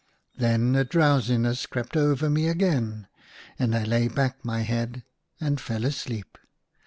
Then a drowsiness crept over me again, and I laid back my head and fell asleep.